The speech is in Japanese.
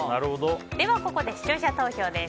ここで視聴者投票です。